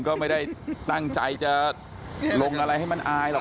ก็ไม่ได้ตั้งใจจะลงอะไรให้มันอายหรอก